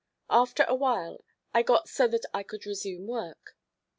After awhile I got so that I could resume work.